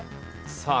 さあ